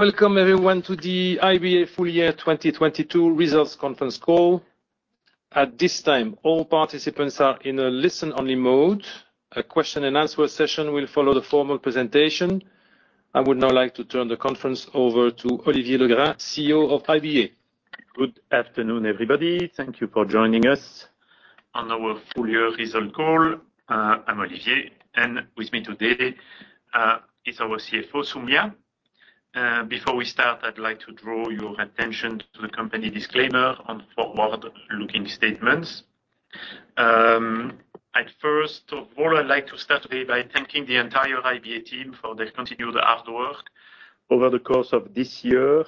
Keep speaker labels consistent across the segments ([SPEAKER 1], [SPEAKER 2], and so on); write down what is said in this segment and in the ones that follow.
[SPEAKER 1] Welcome everyone to the IBA full year 2022 results conference call. At this time, all participants are in a listen-only mode. A Q&A session will follow the formal presentation. I would now like to turn the conference over to Olivier Legrain, CEO of IBA.
[SPEAKER 2] Good afternoon, everybody. Thank you for joining us on our full year result call. I'm Olivier, and with me today is our CFO, Soumya. Before we start, I'd like to draw your attention to the company disclaimer on forward-looking statements. At first of all, I'd like to start today by thanking the entire IBA team for their continued hard work over the course of this year.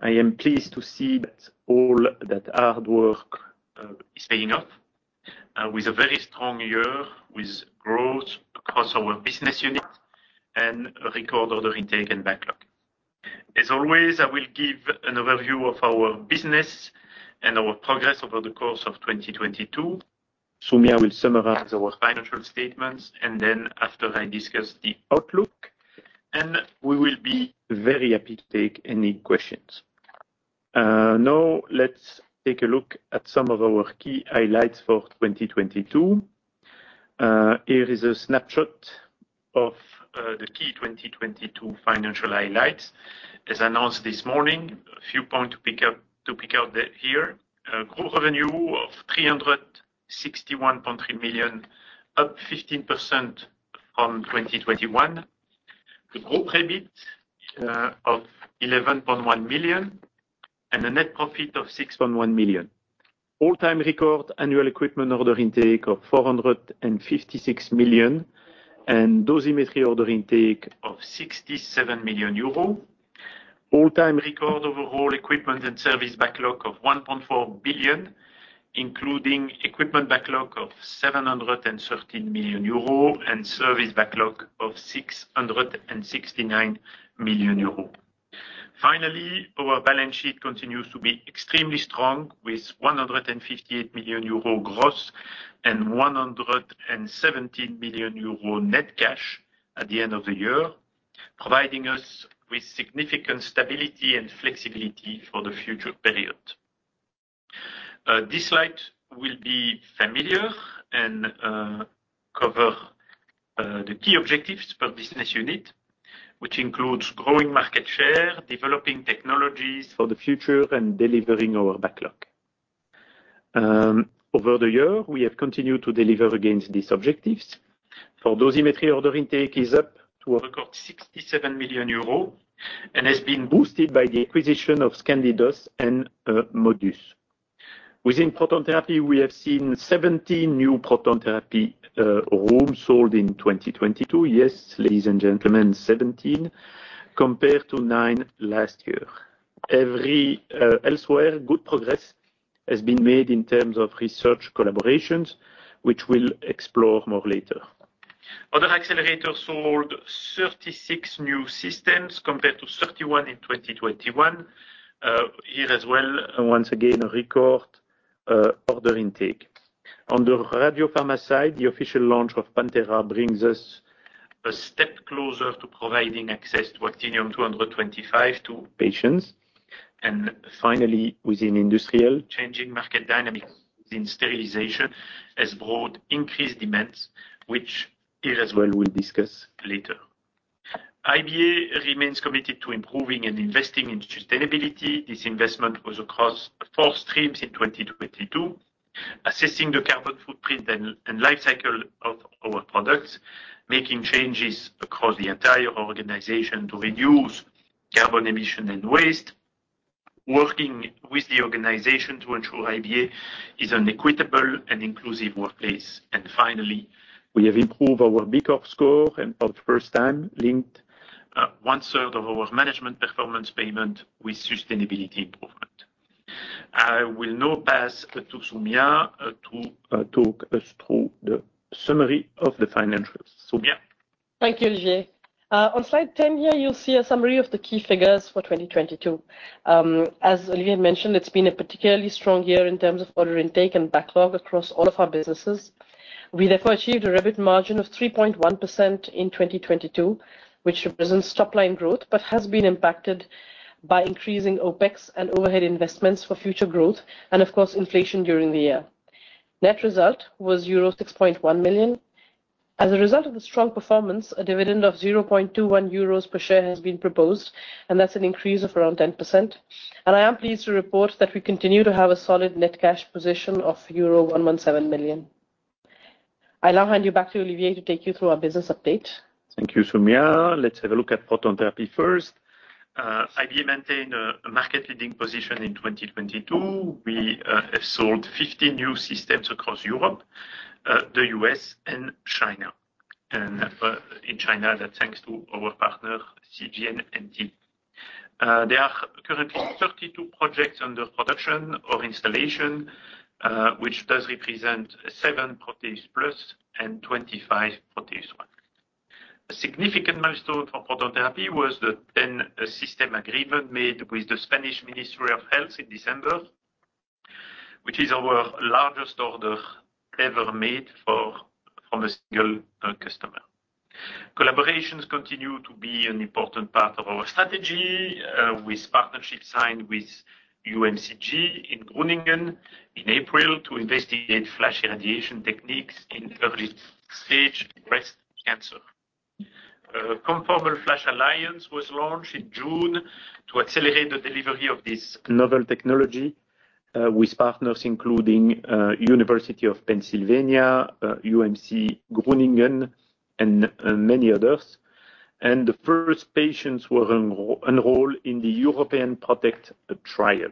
[SPEAKER 2] I am pleased to see that all that hard work is paying off with a very strong year with growth across our business unit and a record order intake and backlog. As always, I will give an overview of our business and our progress over the course of 2022. Soumya will summarize our financial statements. After I discuss the outlook, we will be very happy to take any questions. Now let's take a look at some of our key highlights for 2022. Here is a snapshot of the key 2022 financial highlights. As announced this morning, a few points to pick up, to pick out here. Group revenue of 361.3 million, up 15% from 2021. The group EBIT of 11.1 million and a net profit of 6.1 million. All-time record annual equipment order intake of 456 million and dosimetry order intake of 67 million euro. All-time record overall equipment and service backlog of 1.4 billion, including equipment backlog of 713 million euro and service backlog of 669 million euro. Finally, our balance sheet continues to be extremely strong with 158 million euro gross and 117 million euro net cash at the end of the year, providing us with significant stability and flexibility for the future period. This slide will be familiar and cover the key objectives per business unit, which includes growing market share, developing technologies for the future, and delivering our backlog. Over the year, we have continued to deliver against these objectives. For dosimetry order intake is up to a record 67 million euros and has been boosted by the acquisition of ScandiDos and Modus. Within proton therapy, we have seen 17 new proton therapy rooms sold in 2022. Yes, ladies and gentlemen, 17, compared to nine last year. Elsewhere, good progress has been made in terms of research collaborations, which we'll explore more later. Other accelerators sold 36 new systems compared to 31 in 2021. Here as well, once again, a record order intake. On the radiopharma side, the official launch of PanTera brings us a step closer to providing access to Actinium-225 to patients. Finally, within industrial, changing market dynamics in sterilization has brought increased demands, which here as well, we'll discuss later. IBA remains committed to improving and investing in sustainability. This investment was across four streams in 2022, assessing the carbon footprint and life cycle of our products, making changes across the entire organization to reduce carbon emission and waste, working with the organization to ensure IBA is an equitable and inclusive workplace. Finally, we have improved our B Corp score and for the first time linked, one-third of our management performance payment with sustainability improvement. I will now pass to Soumya to talk us through the summary of the financials. Soumya.
[SPEAKER 3] Thank you, Olivier. On slide 10 here, you'll see a summary of the key figures for 2022. As Olivier mentioned, it's been a particularly strong year in terms of order intake and backlog across all of our businesses. We therefore achieved a EBIT margin of 3.1% in 2022, which represents top-line growth, but has been impacted by increasing OpEx and overhead investments for future growth and of course, inflation during the year. Net result was euro 6.1 million. As a result of the strong performance, a dividend of 0.21 euros per share has been proposed. That's an increase of around 10%. I am pleased to report that we continue to have a solid net cash position of euro 117 million. I now hand you back to Olivier to take you through our business update.
[SPEAKER 2] Thank you, Soumya. Let's have a look at proton therapy first. IBA maintained a market leading position in 2022. We have sold 50 new systems across Europe, the U.S. and China. In China that's thanks to our partner CGNNT. There are currently 32 projects under production or installation, which does represent 7 Proteus+ and 25 ProteusONE. A significant milestone for proton therapy was the 10-system agreement made with the Spanish Ministry of Health in December, which is our largest order ever made for, from a single customer. Collaborations continue to be an important part of our strategy, with partnership signed with UMCG in Groningen in April to investigate FLASH irradiation techniques in early-stage breast cancer. ConformalFLASH Alliance was launched in June to accelerate the delivery of this novel technology, with partners including University of Pennsylvania, UMC Groningen, and many others. The first patients were enrolled in the European ProtecT trial.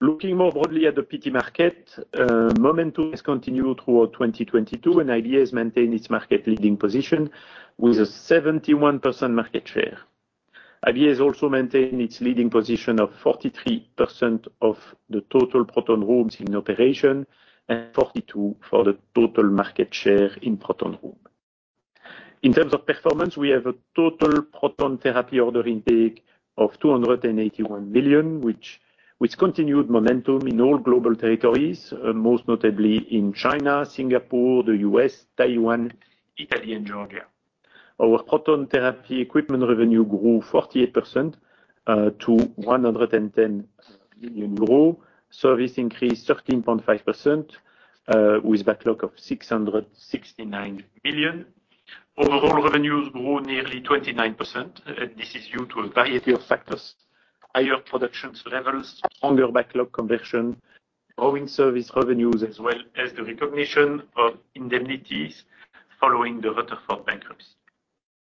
[SPEAKER 2] Looking more broadly at the PT market, momentum has continued toward 2022, IBA has maintained its market leading position with a 71% market share. IBA has also maintained its leading position of 43% of the total proton rooms in operation and 42% for the total market share in proton room. In terms of performance, we have a total proton therapy order intake of 281 million, which continued momentum in all global territories, most notably in China, Singapore, the U.S., Taiwan, Italy, and Georgia. Our proton therapy equipment revenue grew 48% to 110 million euro. Service increased 13.5%, with backlog of 669 million. Overall revenues grew nearly 29%. This is due to a variety of factors, higher productions levels, stronger backlog conversion, growing service revenues, as well as the recognition of indemnities following the Rutherford bankruptcy.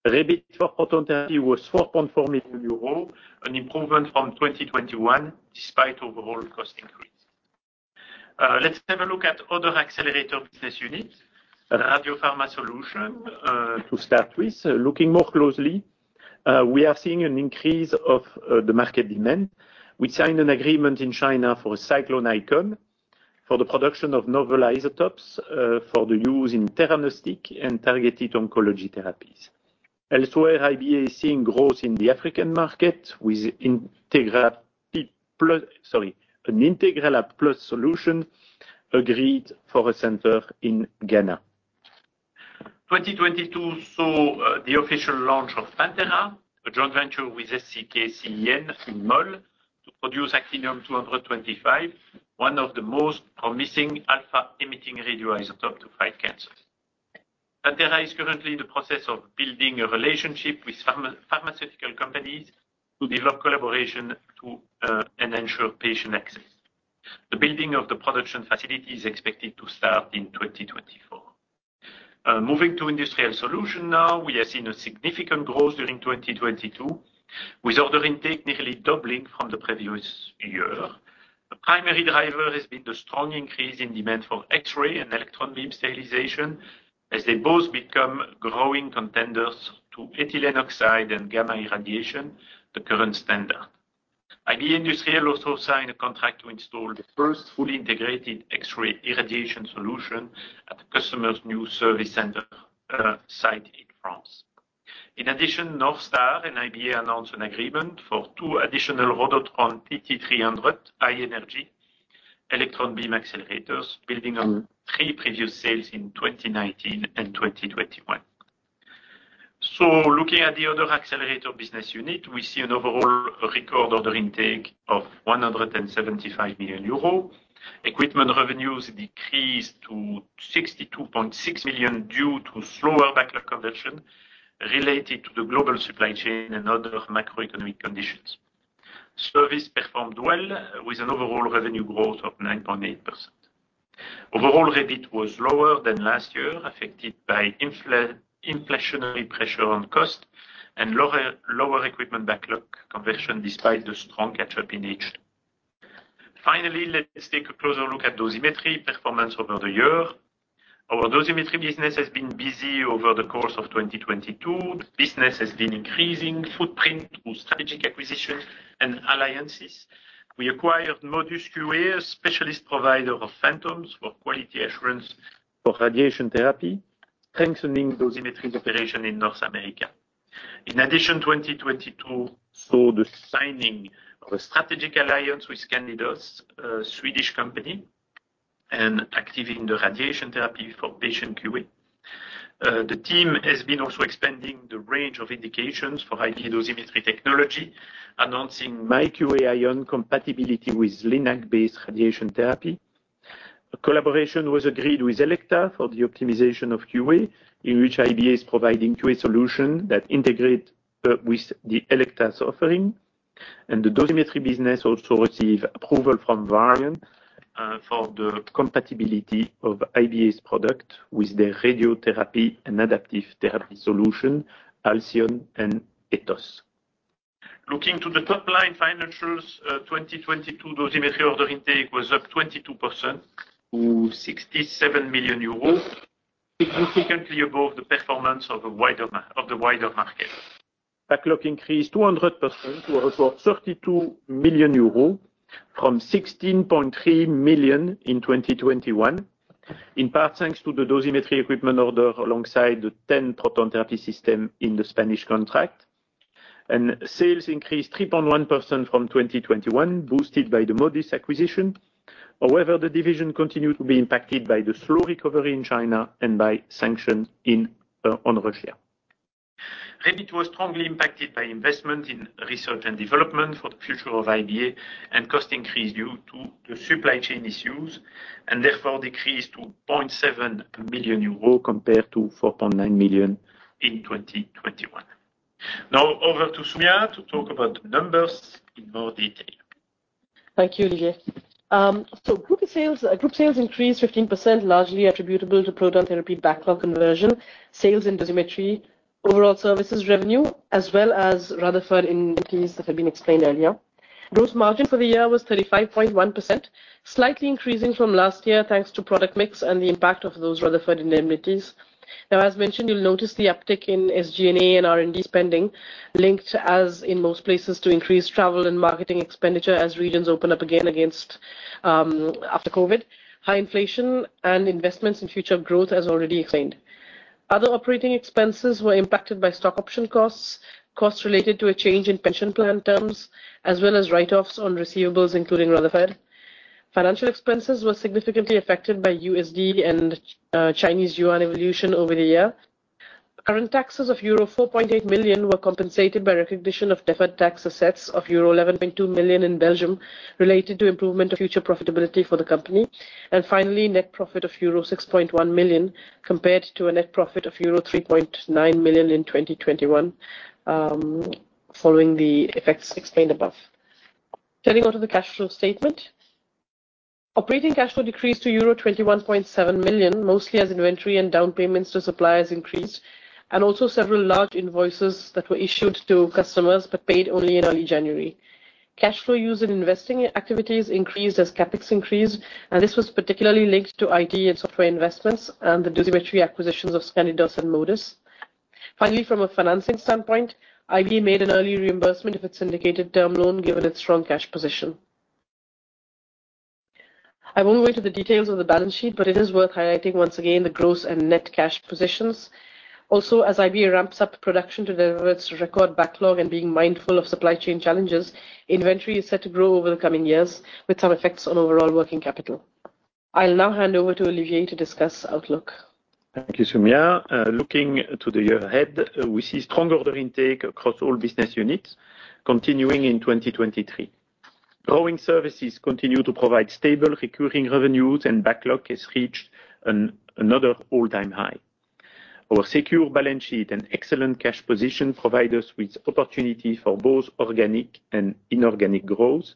[SPEAKER 2] EBIT for proton therapy was 4.4 million euros, an improvement from 2021 despite overall cost increase. Let's have a look at other accelerator business units. The radiopharma solution to start with. Looking more closely, we are seeing an increase of the market demand. We signed an agreement in China for a Cyclone ICON for the production of novel isotopes for the use in theranostic and targeted oncology therapies. Elsewhere, IBA is seeing growth in the African market with IntegraLab® PLUS solution agreed for a center in Ghana. 2022 saw the official launch of PanTera, a joint venture with SCK CEN in Mol to produce Actinium-225, one of the most promising alpha-emitting radioisotope to fight cancers. PanTera is currently in the process of building a relationship with pharmaceutical companies to develop collaboration to and ensure patient access. The building of the production facility is expected to start in 2024. Moving to industrial solution now. We have seen a significant growth during 2022 with order intake nearly doubling from the previous year. The primary driver has been the strong increase in demand for X-ray and electron beam sterilization as they both become growing contenders to ethylene oxide and gamma irradiation, the current standard. IBA Industrial also signed a contract to install the first fully integrated X-ray irradiation solution at the customer's new service center site in France. In addition, NorthStar and IBA announced an agreement for two additional Rhodotron® TT300-HE accelerators, building on three previous sales in 2019 and 2021. Looking at the other accelerator business unit, we see an overall record order intake of 175 million euro. Equipment revenues decreased to 62.6 million due to slower backlog conversion related to the global supply chain and other macroeconomic conditions. Service performed well with an overall revenue growth of 9.8%. Overall EBIT was lower than last year, affected by inflationary pressure on cost and lower equipment backlog conversion despite the strong catch-up in H2. Finally, let's take a closer look at Dosimetry performance over the year. Our Dosimetry business has been busy over the course of 2022. The business has been increasing footprint through strategic acquisitions and alliances. We acquired Modus QA, a specialist provider of phantoms for quality assurance for radiation therapy, strengthening Dosimetry's operation in North America. In addition, 2022 saw the signing of a strategic alliance with ScandiDos, a Swedish company, and active in the radiation therapy for patient QA. The team has been also expanding the range of indications for high-dose dosimetry technology, announcing myQA iON compatibility with LINAC-based radiation therapy. A collaboration was agreed with Elekta for the optimization of QA, in which IBA is providing QA solution that integrate with Elekta's offering. The dosimetry business also receive approval from Varian for the compatibility of IBA's product with their radiotherapy and adaptive therapy solution, Halcyon and Ethos. Looking to the top-line financials, 2022 dosimetry order intake was up 22% to 67 million euros, significantly above the performance of the wider market. Backlog increased 200% to over 32 million euro from 16.3 million in 2021, in part thanks to the dosimetry equipment order alongside the 10 proton therapy system in the Spanish contract. Sales increased 3.1% from 2021, boosted by the Modus acquisition. However, the division continued to be impacted by the slow recovery in China and by sanctions on Russia. EBIT was strongly impacted by investment in research and development for the future of IBA and cost increase due to the supply chain issues and therefore decreased to 0.7 million euro compared to 4.9 million in 2021. Over to Soumya to talk about numbers in more detail.
[SPEAKER 3] Thank you, Olivier. Group sales increased 15%, largely attributable to proton therapy backlog conversion, sales in dosimetry, overall services revenue, as well as Rutherford indemnities that have been explained earlier. Gross margin for the year was 35.1%, slightly increasing from last year, thanks to product mix and the impact of those Rutherford indemnities. As mentioned, you'll notice the uptick in SG&A and R&D spending linked as in most places to increase travel and marketing expenditure as regions open up again against after Covid, high inflation and investments in future growth as already explained. Other operating expenses were impacted by stock option costs related to a change in pension plan terms, as well as write-offs on receivables, including Rutherford. Financial expenses were significantly affected by USD and Chinese yuan evolution over the year. Current taxes of euro 4.8 million were compensated by recognition of deferred tax assets of euro 11.2 million in Belgium related to improvement of future profitability for the company. Finally, net profit of euro 6.1 million compared to a net profit of euro 3.9 million in 2021, following the effects explained above. Turning onto the cash flow statement. Operating cash flow decreased to euro 21.7 million, mostly as inventory and down payments to suppliers increased, and also several large invoices that were issued to customers, but paid only in early January. Cash flow used in investing activities increased as CapEx increased, and this was particularly linked to IT and software investments and the dosimetry acquisitions of ScandiDos and Modus. From a financing standpoint, IBA made an early reimbursement of its indicated term loan, given its strong cash position. I won't go into the details of the balance sheet, but it is worth highlighting once again the gross and net cash positions. As IBA ramps up production to deliver its record backlog and being mindful of supply chain challenges, inventory is set to grow over the coming years with some effects on overall working capital. I'll now hand over to Olivier to discuss outlook.
[SPEAKER 2] Thank you, Soumya. Looking to the year ahead, we see strong order intake across all business units continuing in 2023. Growing services continue to provide stable recurring revenues and backlog has reached another all-time high. Our secure balance sheet and excellent cash position provide us with opportunity for both organic and inorganic growth.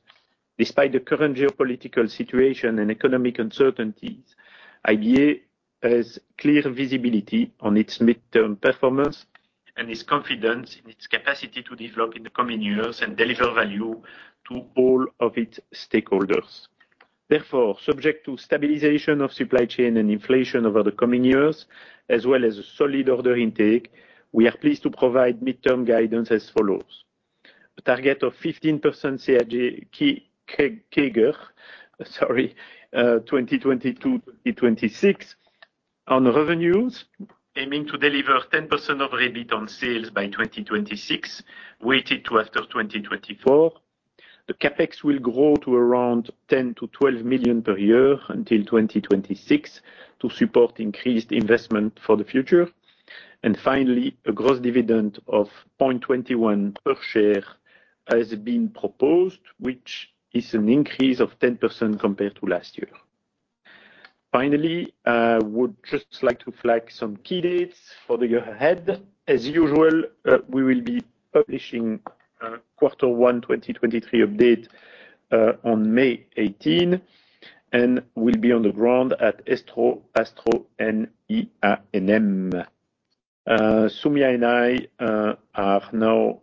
[SPEAKER 2] Despite the current geopolitical situation and economic uncertainties, IBA has clear visibility on its midterm performance and is confident in its capacity to develop in the coming years and deliver value to all of its stakeholders. Subject to stabilization of supply chain and inflation over the coming years, as well as solid order intake, we are pleased to provide midterm guidance as follows: A target of 15% CAGR, sorry, 2022 to 2026. On revenues, aiming to deliver 10% of EBIT on sales by 2026, weighted to after 2024. The CapEx will grow to around 10 million-12 million per year until 2026 to support increased investment for the future. Finally, a gross dividend of 0.21 per share has been proposed, which is an increase of 10% compared to last year. Finally, would just like to flag some key dates for the year ahead. As usual, we will be publishing quarter one 2023 update on May 18 and will be on the ground at ESTRO, ASTRO and EANM. Soumya and I are now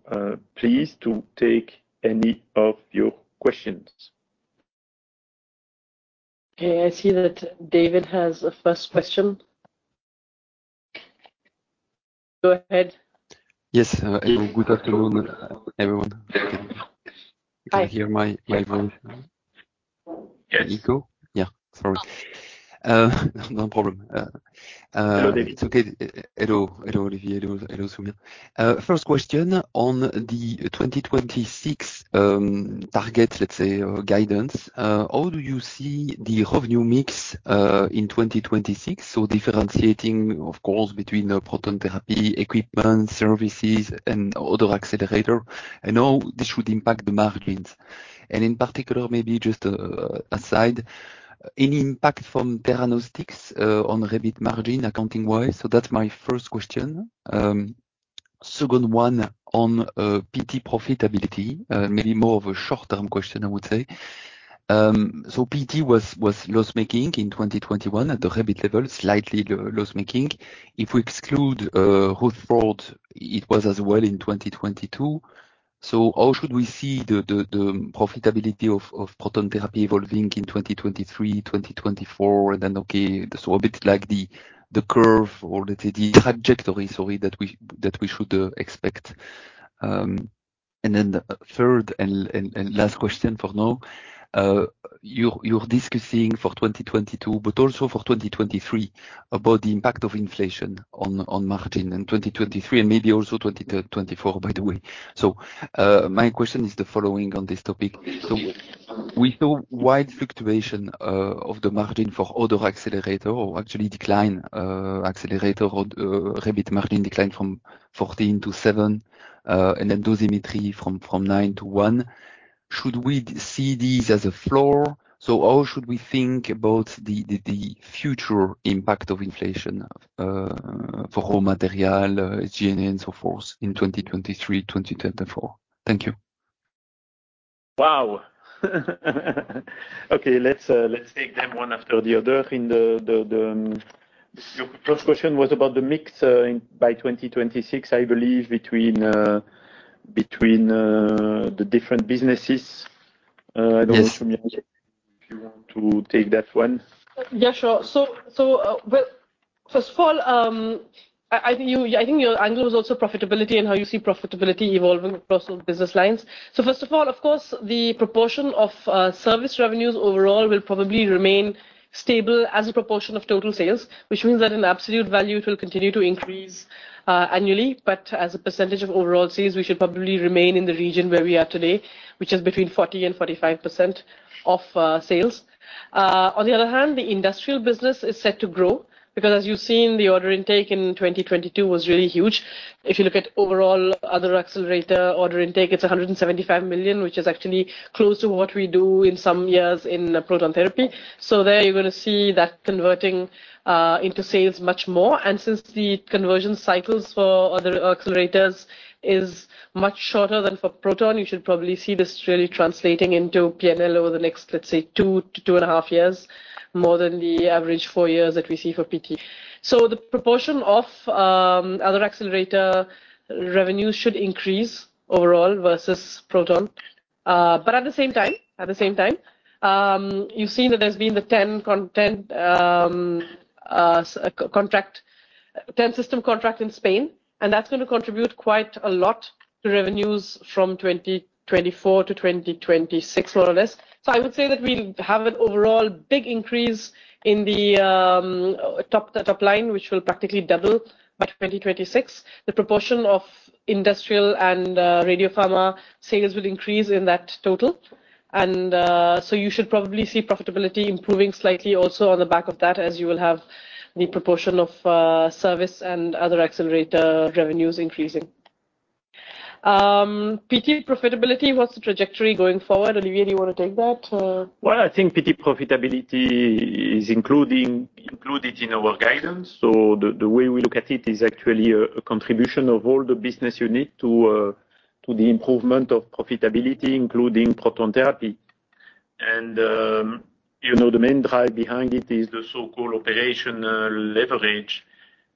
[SPEAKER 2] pleased to take any of your questions.
[SPEAKER 3] I see that David has the first question. Go ahead. Yes. Good afternoon, everyone. Hi. You can hear my voice now?
[SPEAKER 2] Yes. Nico? Yeah, sorry. No problem. Hello, David.
[SPEAKER 4] It's okay. Hello. Hello, Olivier. Hello, Soumya. First question on the 2026 target, let's say, or guidance. How do you see the revenue mix in 2026? Differentiating, of course, between the proton therapy equipment, services and other accelerator, and how this should impact the margins. In particular, maybe just aside, any impact from theranostic on EBIT margin accounting-wise. That's my first question. Second one on PT profitability, maybe more of a short-term question, I would say. PT was loss-making in 2021 at the EBIT level, slightly loss-making. If we exclude Rutherford, it was as well in 2022. How should we see the profitability of proton therapy evolving in 2023, 2024? Okay, so a bit like the curve or the trajectory, sorry, that we that we should expect. Third and last question for now. You're discussing for 2022, but also for 2023 about the impact of inflation on margin in 2023 and maybe also 2024, by the way. My question is the following on this topic. We saw wide fluctuation of the margin for other accelerator or actually decline, accelerator or EBIT margin declined from 14 to 7, and then dosimetry from 9 to 1. Should we see these as a floor? How should we think about the future impact of inflation for raw material, GNN, so forth in 2023, 2024? Thank you.
[SPEAKER 2] Wow. Okay, let's take them one after the other. Your first question was about the mix in by 2026, I believe, between the different businesses.
[SPEAKER 4] Yes.
[SPEAKER 2] I don't know if you want to take that one.
[SPEAKER 3] Yeah, sure. Well, I think your angle is also profitability and how you see profitability evolving across those business lines. First of all, of course, the proportion of service revenues overall will probably remain stable as a proportion of total sales, which means that in absolute value it will continue to increase annually. As a percentage of overall sales, we should probably remain in the region where we are today, which is between 40% and 45% of sales. On the other hand, the industrial business is set to grow because as you've seen, the order intake in 2022 was really huge. If you look at overall other accelerator order intake, it's 175 million, which is actually close to what we do in some years in proton therapy. There you're gonna see that converting into sales much more. Since the conversion cycles for other accelerators is much shorter than for proton, you should probably see this really translating into PNL over the next, let's say 2 to 2.5 years, more than the average four years that we see for PT. The proportion of other accelerator revenue should increase overall versus proton. At the same time, you've seen that there's been the 10 system contract in Spain, and that's gonna contribute quite a lot to revenues from 2024 to 2026, more or less. I would say that we have an overall big increase in the top line, which will practically double by 2026. The proportion of industrial and radiopharma sales will increase in that total. You should probably see profitability improving slightly also on the back of that as you will have the proportion of service and other accelerator revenues increasing. PT profitability, what's the trajectory going forward? Olivier, you wanna take that?
[SPEAKER 2] Well, I think PT profitability is included in our guidance. The way we look at it is actually a contribution of all the business you need to the improvement of profitability, including proton therapy. You know, the main drive behind it is the so-called operational leverage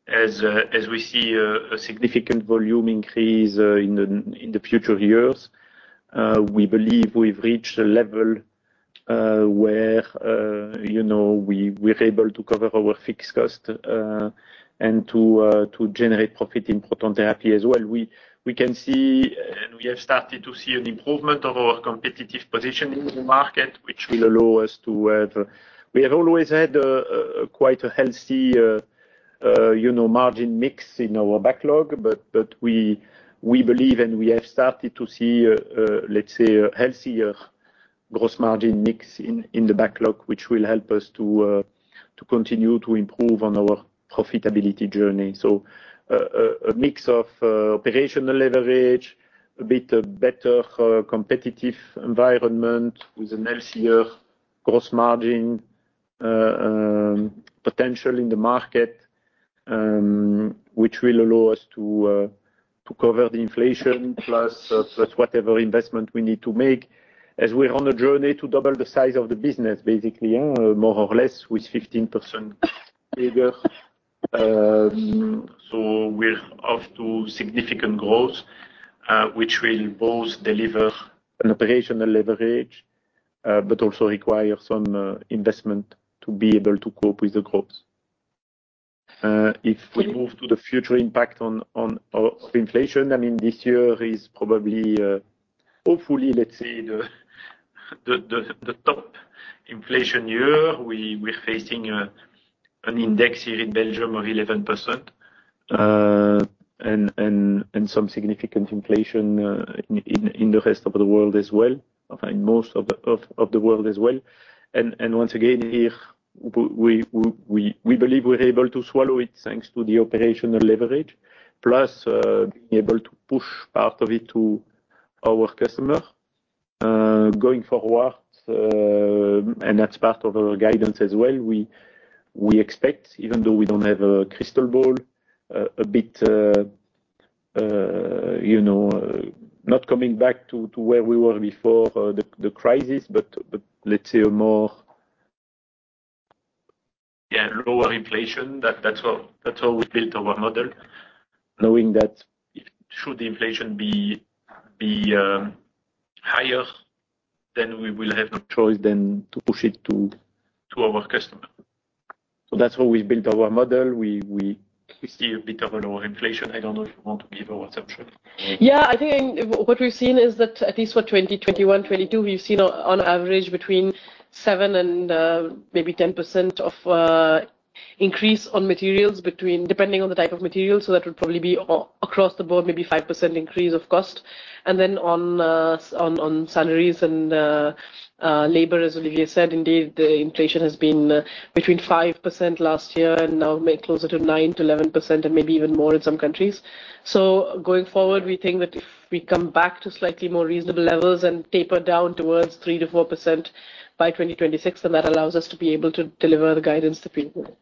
[SPEAKER 2] as we see a significant volume increase in the future years. We believe we've reached a level where, you know, we're able to cover our fixed cost and to generate profit in proton therapy as well. We can see and we have started to see an improvement of our competitive position in the market, which will allow us to, we have always had a quite a healthy, you know, margin mix in our backlog, but we believe and we have started to see a let's say a healthier gross margin mix in the backlog, which will help us to continue to improve on our profitability journey. A mix of operational leverage, a bit better competitive environment with a healthier gross margin potential in the market, which will allow us to cover the inflation plus whatever investment we need to make as we're on a journey to double the size of the business, with 15% bigger. We're off to significant growth, which will both deliver an operational leverage, but also require some investment to be able to cope with the growth. If we move to the future impact on inflation, I mean, this year is probably, hopefully, let's say the top inflation year. We're facing an index here in Belgium of 11%, and some significant inflation in the rest of the world as well. I find most of the world as well. Once again, here we believe we're able to swallow it thanks to the operational leverage plus being able to push part of it to our customer going forward, and that's part of our guidance as well. We expect, even though we don't have a crystal ball, a bit, you know, not coming back to where we were before the crisis, but let's say a more, yeah, lower inflation. That's how we built our model, knowing that should the inflation be higher, then we will have no choice than to push it to our customer. That's how we built our model. We see a bit of a lower inflation. I don't know if you want to give our assumption.
[SPEAKER 3] Yeah, I think what we've seen is that at least for 2021, 2022, we've seen on average between 7% and maybe 10% of increase on materials between... depending on the type of material. That would probably be across the board, maybe 5% increase of cost. Then on salaries and labor, as Olivier said, indeed, the inflation has been between 5% last year and now maybe closer to 9%-11%, and maybe even more in some countries. Going forward, we think that if we come back to slightly more reasonable levels and taper down towards 3%-4% by 2026, that allows us to be able to deliver the guidance to people.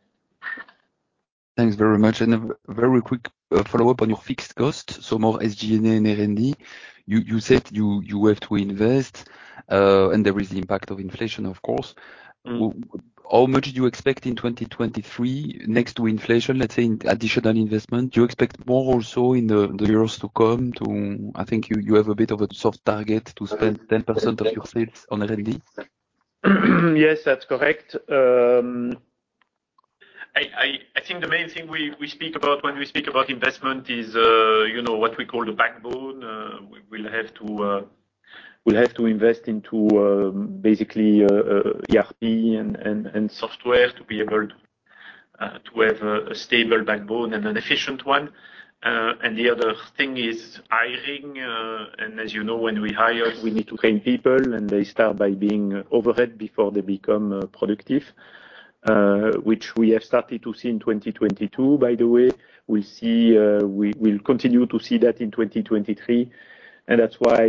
[SPEAKER 4] Thanks very much. A very quick follow-up on your fixed cost, so more SG&A and R&D. You said you have to invest, and there is the impact of inflation, of course.
[SPEAKER 2] Mm-hmm.
[SPEAKER 4] How much do you expect in 2023 next to inflation, let's say, in additional investment? Do you expect more also in the years to come? I think you have a bit of a soft target to spend 10% of your sales on R&D.
[SPEAKER 2] Yes, that's correct. I think the main thing we speak about when we speak about investment is, you know, what we call the backbone. We will have to, we'll have to invest into basically ERP and software to be able to have a stable backbone and an efficient one. The other thing is hiring. As you know, when we hire, we need to train people, and they start by being overhead before they become productive, which we have started to see in 2022, by the way. We see, we will continue to see that in 2023. That's why,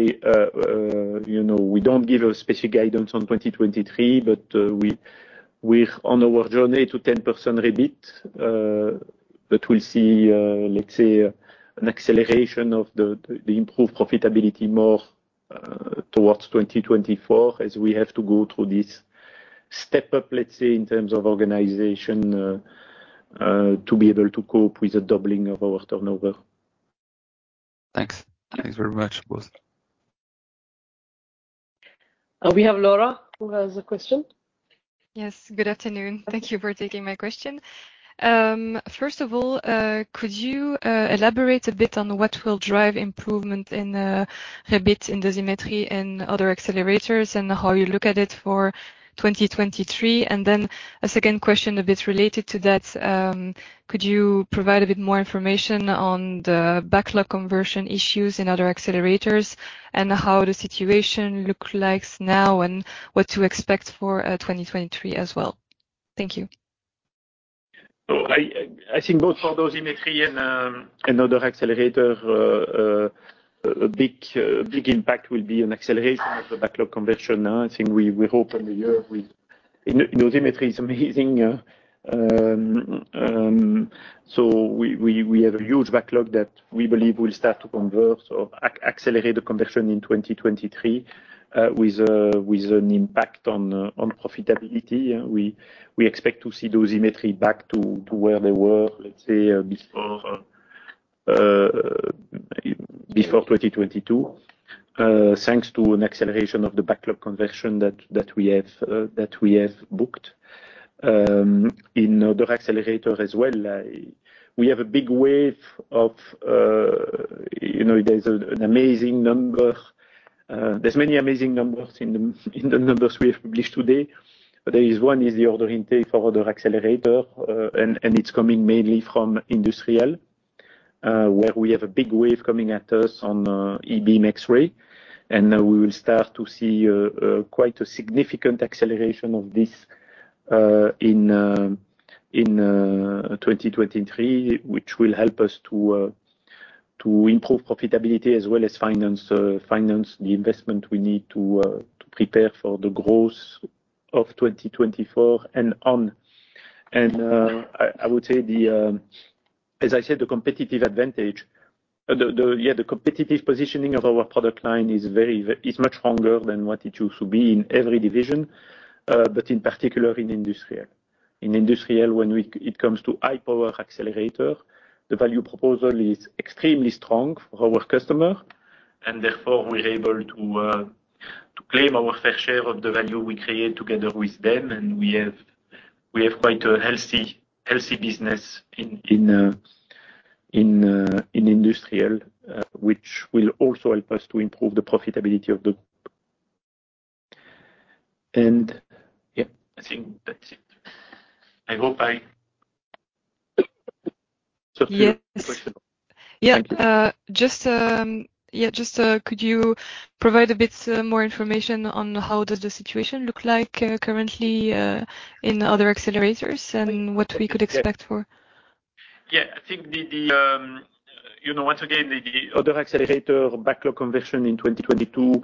[SPEAKER 2] you know, we don't give a specific guidance on 2023, but we're on our journey to 10% EBIT. We'll see, let's say an acceleration of the improved profitability more, towards 2024 as we have to go through this step up, let's say, in terms of organization, to be able to cope with the doubling of our turnover.
[SPEAKER 4] Thanks. Thanks very much, both.
[SPEAKER 3] We have Laura, who has a question.
[SPEAKER 5] Yes. Good afternoon. Thank you for taking my question. First of all, could you elaborate a bit on what will drive improvement in EBIT in Dosimetry and other accelerators and how you look at it for 2023? A second question a bit related to that, could you provide a bit more information on the backlog conversion issues in other accelerators and how the situation look likes now and what to expect for 2023 as well? Thank you.
[SPEAKER 2] I think both for Dosimetry and other accelerator, a big impact will be an acceleration of the backlog conversion. I think we hope in the year in Dosimetry is amazing. We have a huge backlog that we believe will start to convert or accelerate the conversion in 2023, with an impact on profitability. We expect to see Dosimetry back to where they were, let's say, before 2022, thanks to an acceleration of the backlog conversion that we have booked. In other accelerator as well, we have a big wave of, you know, there's an amazing number. There's many amazing numbers in the numbers we have published today. There is one is the order intake for other accelerator, and it is coming mainly from industrial, where we have a big wave coming at us on E-beam X-ray, and we will start to see quite a significant acceleration of this in 2023, which will help us to improve profitability as well as finance the investment we need to prepare for the growth of 2024 and on. I would say the as I said, the competitive advantage, the competitive positioning of our product line is much stronger than what it used to be in every division, but in particular in industrial. In industrial, when it comes to high power accelerator, the value proposal is extremely strong for our customer, and therefore, we're able to claim our fair share of the value we create together with them, and we have quite a healthy business in industrial, which will also help us to improve the profitability of the group. Yeah, I think that's it. I hope I...
[SPEAKER 5] Yes.
[SPEAKER 2] Answered your question.
[SPEAKER 5] Yeah. Could you provide a bit more information on how does the situation look like currently in other accelerators and what we could expect for?
[SPEAKER 2] Yeah. I think the, you know, once again, the other accelerator backlog conversion in 2022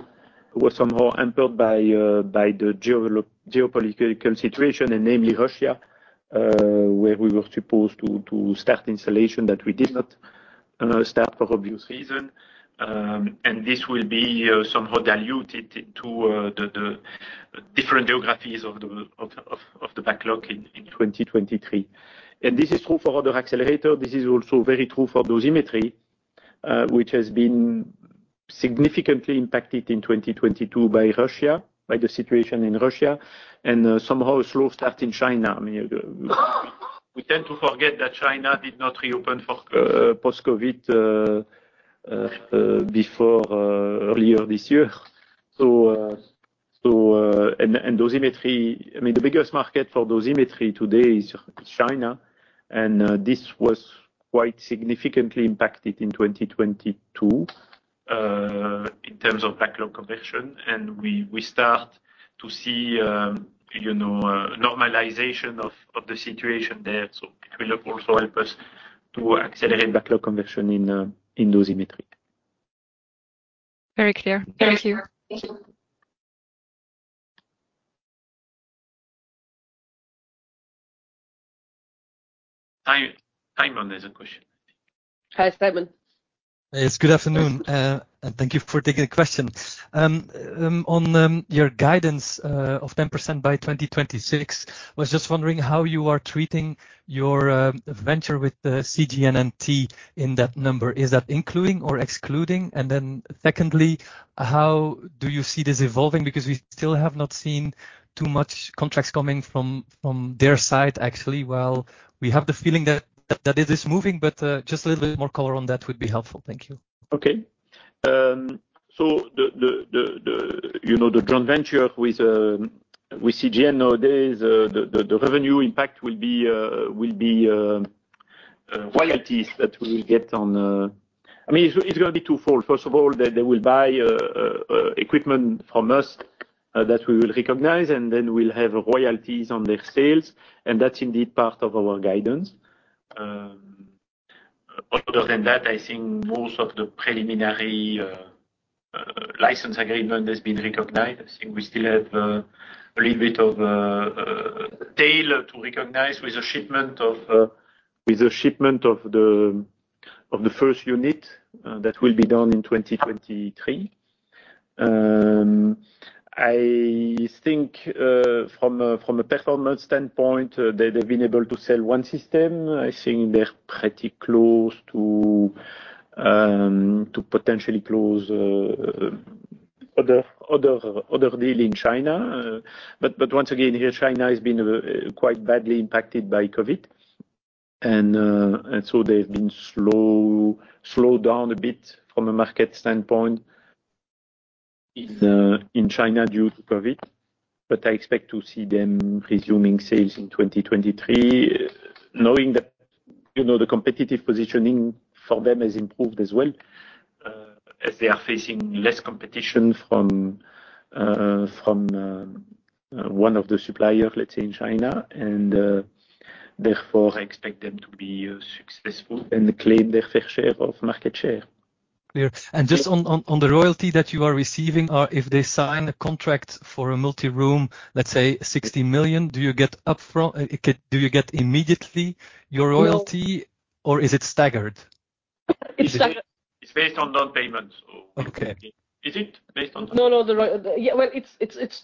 [SPEAKER 2] was somehow hampered by the geopolitical situation, and namely Russia, where we were supposed to start installation that we did not start for obvious reason. This will be somehow diluted into the different geographies of the backlog in 2023. This is true for other accelerator. This is also very true for Dosimetry, which has been significantly impacted in 2022 by Russia, by the situation in Russia, and somehow a slow start in China. I mean, we tend to forget that China did not reopen for post-COVID before earlier this year. Dosimetry... I mean, the biggest market for dosimetry today is China. This was quite significantly impacted in 2022 in terms of backlog conversion. We start to see, you know, normalization of the situation there. It will also help us to accelerate backlog conversion in dosimetry.
[SPEAKER 5] Very clear. Thank you.
[SPEAKER 2] Tiemen has a question, I think.
[SPEAKER 3] Hi, Tiemen.
[SPEAKER 6] Yes. Good afternoon. Thank you for taking the question. On your guidance of 10% by 2026, I was just wondering how you are treating your venture with CGNNT in that number. Is that including or excluding? Secondly, how do you see this evolving? We still have not seen too much contracts coming from their side, actually, while we have the feeling that it is moving. Just a little bit more color on that would be helpful. Thank you.
[SPEAKER 2] Okay. You know, the joint venture with CGN nowadays, the revenue impact will be royalties that we'll get on. I mean, it's gonna be twofold. First of all, they will buy equipment from us that we will recognize, and then we'll have royalties on their sales. That's indeed part of our guidance. Other than that, I think most of the preliminary license agreement has been recognized. I think we still have a little bit of tail to recognize with the shipment of the first unit that will be done in 2023. I think from a performance standpoint, they've been able to sell one system. I think they're pretty close to potentially close other deal in China. Once again, here China has been quite badly impacted by COVID and so they've been slowed down a bit from a market standpoint in China due to COVID. I expect to see them resuming sales in 2023, knowing that, you know, the competitive positioning for them has improved as well as they are facing less competition from one of the suppliers, let's say, in China. Therefore, I expect them to be successful and claim their fair share of market share.
[SPEAKER 6] Clear. Just on the royalty that you are receiving, or if they sign a contract for a multi-room, let's say 60 million, do you get upfront? Do you get immediately your royalty?
[SPEAKER 3] No.
[SPEAKER 6] Is it staggered?
[SPEAKER 3] It's staggered.
[SPEAKER 2] It's based on down payments.
[SPEAKER 6] Okay.
[SPEAKER 2] Is it based on down payments?
[SPEAKER 3] No. Yeah. Well, it's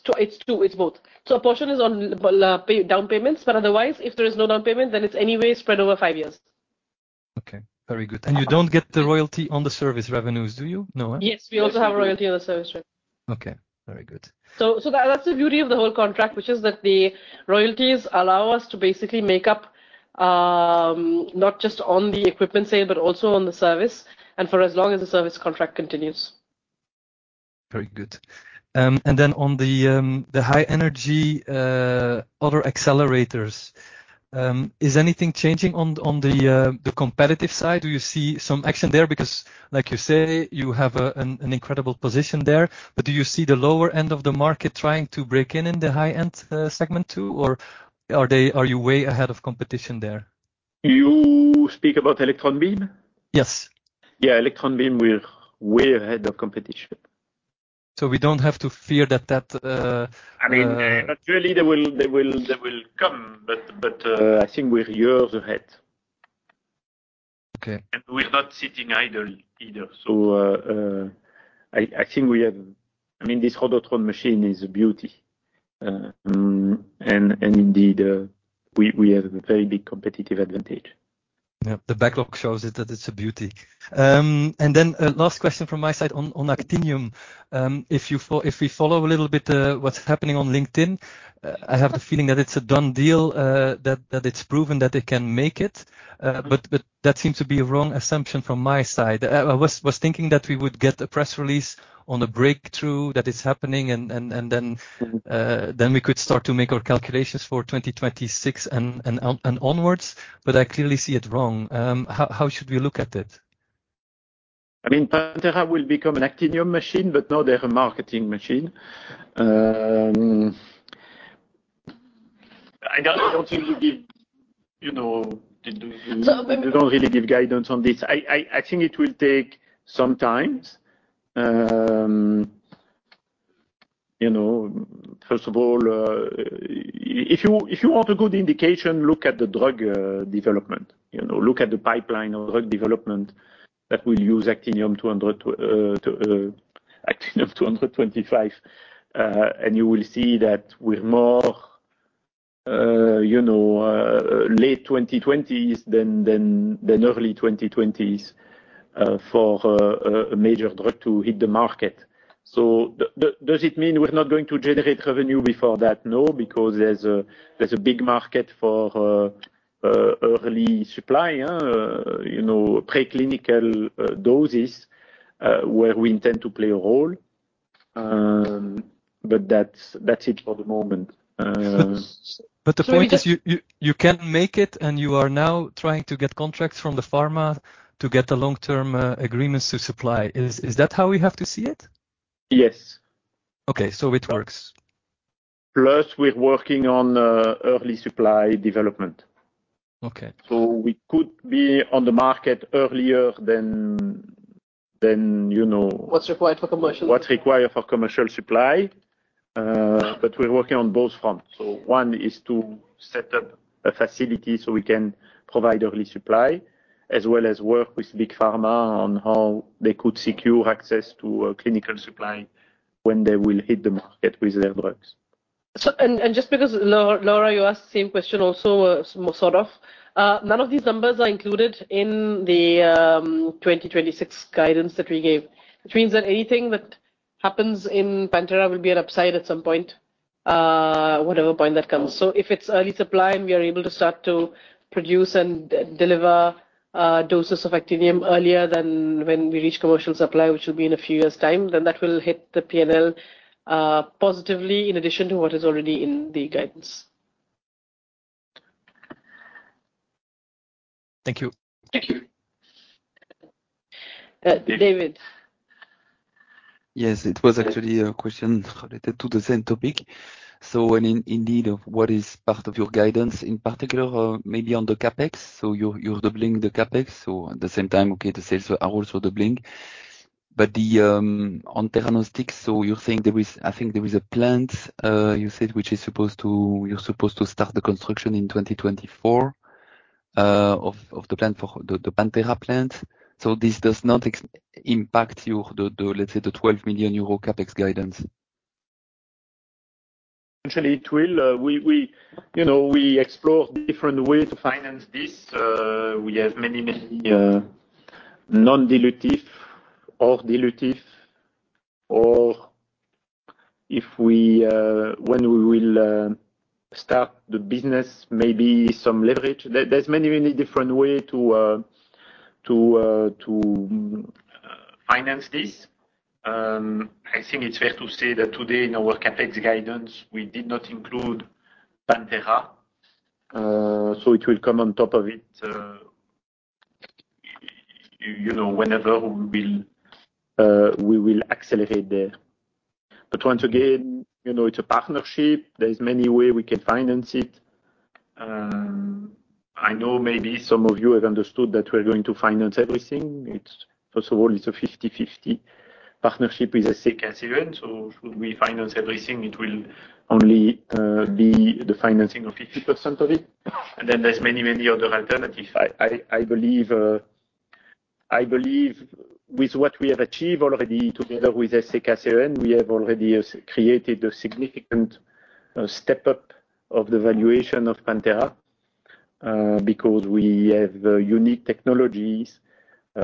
[SPEAKER 3] two. It's two. It's both. A portion is on, well, down payments, otherwise, if there is no down payment, it's anyway spread over five years.
[SPEAKER 6] Okay. Very good. You don't get the royalty on the service revenues, do you? No, huh?
[SPEAKER 3] Yes. We also have a royalty on the service revenue.
[SPEAKER 6] Okay. Very good.
[SPEAKER 3] That's the beauty of the whole contract, which is that the royalties allow us to basically make up, not just on the equipment sale, but also on the service, and for as long as the service contract continues.
[SPEAKER 6] Very good. Then on the high energy, other accelerators, is anything changing on the competitive side? Do you see some action there? Like you say, you have an incredible position there. Do you see the lower end of the market trying to break in in the high-end segment too, or are you way ahead of competition there?
[SPEAKER 2] You speak about electron beam?
[SPEAKER 6] Yes.
[SPEAKER 2] Yeah. Electron beam, we're way ahead of competition.
[SPEAKER 6] We don't have to fear that.
[SPEAKER 2] I mean, naturally they will come, but, I think we're years ahead.
[SPEAKER 6] Okay.
[SPEAKER 2] We're not sitting idle either. I think I mean, this Rhodotron machine is a beauty. And indeed, we have a very big competitive advantage.
[SPEAKER 6] Yeah. The backlog shows it, that it's a beauty. Then, last question from my side on Actinium. If we follow a little bit what's happening on LinkedIn, I have the feeling that it's a done deal, that it's proven that they can make it. But that seems to be a wrong assumption from my side. I was thinking that we would get a press release on the breakthrough that is happening and then we could start to make our calculations for 2026 and onwards. I clearly see it wrong. How should we look at it?
[SPEAKER 2] I mean, PanTera will become an Actinium machine, but now they're a marketing machine. I don't think we give, you know, we don't really give guidance on this. I think it will take some time. You know, first of all, if you want a good indication, look at the drug development. You know, look at the pipeline of drug development that will use Actinium-225, you will see that with more, you know, late 2020s than early 2020s for a major drug to hit the market. Does it mean we're not going to generate revenue before that? No, because there's a big market for early supply, you know, preclinical doses, where we intend to play a role. That's, that's it for the moment.
[SPEAKER 6] The point is you can make it and you are now trying to get contracts from the pharma to get the long-term agreements to supply. Is that how we have to see it?
[SPEAKER 2] Yes.
[SPEAKER 6] Okay. It works.
[SPEAKER 2] We're working on early supply development.
[SPEAKER 6] Okay.
[SPEAKER 2] We could be on the market earlier than, you know...
[SPEAKER 6] What's required for commercial.
[SPEAKER 2] What's required for commercial supply. We're working on both fronts. One is to set up a facility so we can provide early supply, as well as work with big pharma on how they could secure access to clinical supply when they will hit the market with their drugs.
[SPEAKER 3] Just because Laura, you asked the same question also, well sort of. None of these numbers are included in the 2026 guidance that we gave, which means that anything that happens in PanTera will be an upside at some point, whatever point that comes. If it's early supply, and we are able to start to produce and deliver doses of actinium earlier than when we reach commercial supply, which will be in a few years' time, then that will hit the P&L positively in addition to what is already in the guidance.
[SPEAKER 6] Thank you.
[SPEAKER 2] Thank you. Yeah.
[SPEAKER 3] David.
[SPEAKER 4] Yes. It was actually a question related to the same topic. When indeed, what is part of your guidance in particular, or maybe on the CapEx? You're doubling the CapEx. At the same time, okay, the sales are also doubling. On theranostics, you think there is a plant you said, which is supposed to start the construction in 2024 of the plant for the PanTera plant. This does not impact you, the, let's say, the 12 million euro CapEx guidance.
[SPEAKER 2] Actually, it will. We, you know, we explore different ways to finance this. We have many non-dilutive or dilutive or if we, when we will start the business, maybe some leverage. There's many different way to finance this. I think it's fair to say that today in our CapEx guidance, we did not include PanTera. It will come on top of it, you know, whenever we will accelerate there. Once again, you know, it's a partnership. There's many way we can finance it. I know maybe some of you have understood that we're going to finance everything. First of all, it's a 50/50 partnership with SCK CEN. Should we finance everything, it will only be the financing of 50% of it. There's many, many other alternatives. I believe with what we have achieved already together with SCK CEN, we have already created a significant step-up of the valuation of PanTera, because we have unique technologies,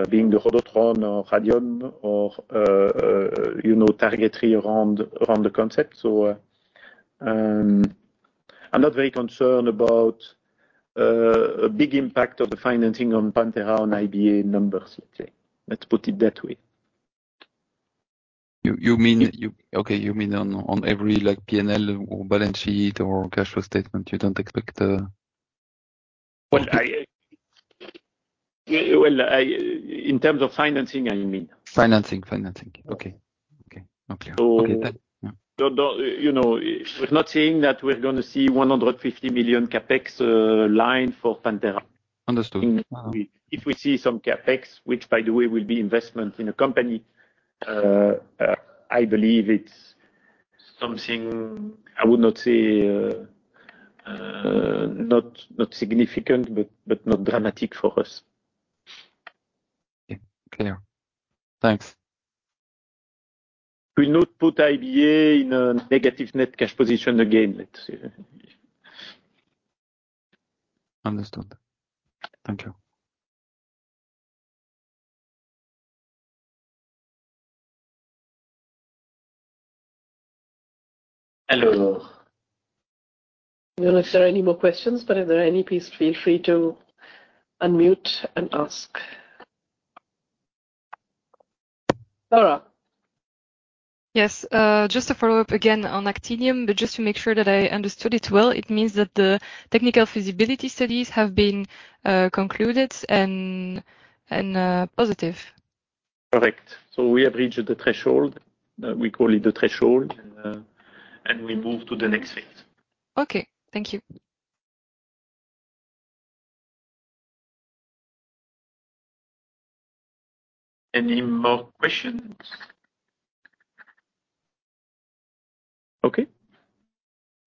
[SPEAKER 2] being the Rhodotron or Dynamitron or, you know, targetry around the concept. I'm not very concerned about a big impact of the financing on PanTera on IBA numbers, let's say. Let's put it that way.
[SPEAKER 4] Okay, you mean on every, like, PNL or balance sheet or cash flow statement, you don't expect?
[SPEAKER 2] Well, in terms of financing, I mean.
[SPEAKER 4] Financing. Okay. Now clear.
[SPEAKER 2] So-
[SPEAKER 4] Okay, thank you. Yeah.
[SPEAKER 2] You know, we're not saying that we're gonna see 150 million CapEx line for PanTera.
[SPEAKER 4] Understood.
[SPEAKER 2] If we see some CapEx, which, by the way, will be investment in a company, I believe it's something I would not say, not significant, but not dramatic for us.
[SPEAKER 4] Okay. Clear. Thanks.
[SPEAKER 2] We'll not put IBA in a negative net cash position again, let's say.
[SPEAKER 4] Understood. Thank you.
[SPEAKER 2] Hello.
[SPEAKER 3] I don't know if there are any more questions, but if there are any, please feel free to unmute and ask. Laura.
[SPEAKER 5] Yes. Just to follow up again on actinium, but just to make sure that I understood it well. It means that the technical feasibility studies have been concluded and positive.
[SPEAKER 2] Correct. We have reached the threshold. We call it the threshold, and we move to the next phase.
[SPEAKER 5] Okay. Thank you.
[SPEAKER 2] Any more questions? Okay.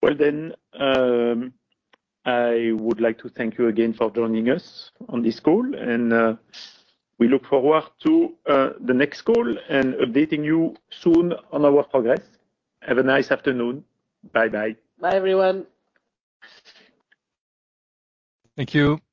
[SPEAKER 2] Well, I would like to thank you again for joining us on this call, and we look forward to the next call and updating you soon on our progress. Have a nice afternoon. Bye-bye.
[SPEAKER 3] Bye, everyone.
[SPEAKER 2] Thank you.